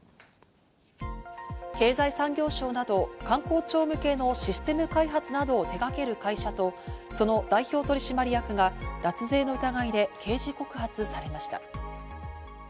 経済産業省など、官公庁向けのシステム開発などを手がける会社と、その代表取締役が脱税の疑いで刑事告発されました。